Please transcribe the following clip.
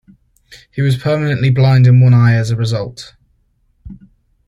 He was permanently blind in one eye as a result.